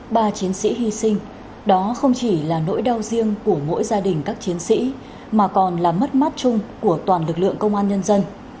ba chiến sĩ hy sinh đó không chỉ là nỗi đau riêng của mỗi gia đình các chiến sĩ mà còn là mất mát chung của toàn lực lượng công an nhân dân